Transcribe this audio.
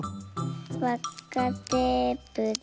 わっかテープで。